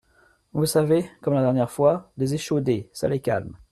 Vous savez… comme la dernière fois… des échaudés, ça les calme.